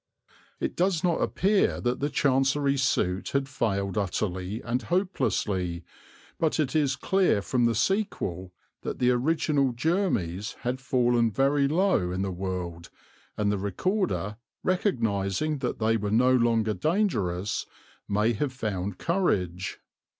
It does not appear that the Chancery suit had failed utterly and hopelessly, but it is clear from the sequel that the original Jermys had fallen very low in the world, and the Recorder, recognizing that they were no longer dangerous, may have found courage.